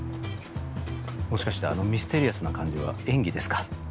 もしかしてあのミステリアスな感じは演技ですか？